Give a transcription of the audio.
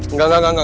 nggak gak gak gak